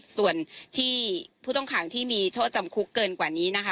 ส่วนที่ผู้ต้องขังที่มีโทษจำคุกเกินกว่านี้นะคะ